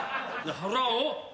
腹を？